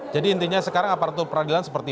jadi intinya sekarang aparatur peradilan seperti